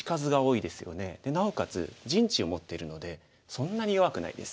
なおかつ陣地を持ってるのでそんなに弱くないです。